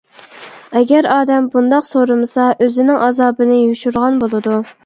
ئەگەر ئادەم بۇنداق سورىمىسا، ئۆزىنىڭ ئازابىنى يوشۇرغان بولىدۇ.